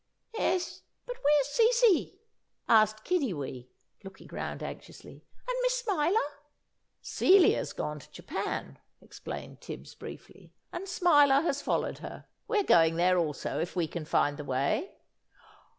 "'Es, but where's Cece?" asked Kiddiwee, looking round anxiously, "and Miss Smiler?" "Celia's gone to Japan," explained Tibbs, briefly, "and Smiler has followed her. We're going there also, if we can find the way!"